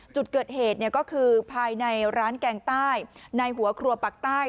จุดเกิดเหตุก็คือภายในร้านแกงใต้ในหัวครัวปากใต้